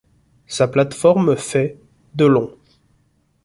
Sa plateforme fait de long.